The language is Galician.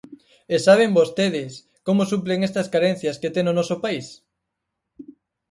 ¿E saben vostedes como suplen estas carencias que ten o noso país?